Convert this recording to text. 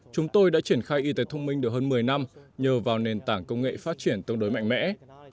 chúng tôi đã triển khai y tế thông minh được hơn một mươi năm nhờ vào nền tảng công nghệ phát triển tương đối mạnh mẽ